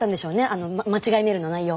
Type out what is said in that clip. あの間違いメールの内容。